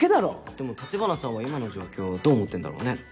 でも橘さんは今の状況どう思ってんだろうね？